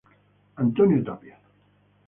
Antonio Tapia